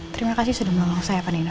terima kasih sudah menolong saya pak nino